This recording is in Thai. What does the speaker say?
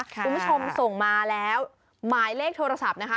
คุณผู้ชมส่งมาแล้วหมายเลขโทรศัพท์นะคะ